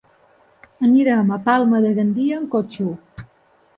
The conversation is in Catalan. Anirem a Palma de Gandia amb cotxe.